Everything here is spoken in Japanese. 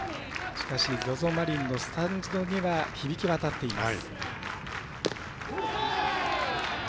しかし、ＺＯＺＯマリンのスタンドには響き渡っています。